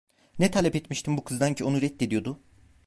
Ne talep etmiştim bu kızdan ki onu reddediyordu?